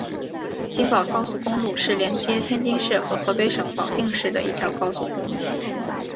津保高速公路是连接天津市和河北省保定市的一条高速公路。